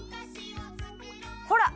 ほら！